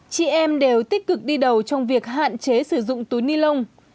chị em đều tích cực đi đầu trong việc hạn chế sử dụng túi ni lông